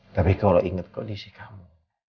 tapi kalau ingat kondisi kamu